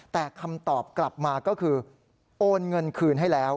แต่คำตอบกลับมาก็คือโอนเงินคืนให้แล้ว